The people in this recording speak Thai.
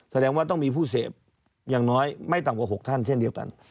แสดงว่าต้องมีผู้เสพอย่างน้อยไม่ต่ำกว่า๖ท่านเช่นเดียวกัน